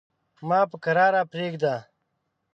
ما په کراره پرېږده.